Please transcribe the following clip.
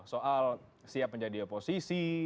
soal siap menjadi oposisi